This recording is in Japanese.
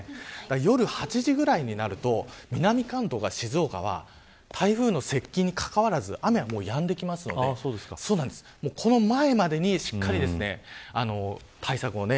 夜８時ぐらいになると南関東から静岡は台風の接近にかかわらず雨はやんできますのでこの前までに、しっかりと対策をね。